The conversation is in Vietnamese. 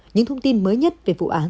những thông tin mới nhất về vụ án